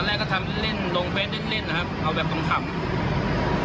ตอนแรกก็ทำเล่นเล่นลงเฟสเล่นเล่นนะครับเอาแบบตรงคำ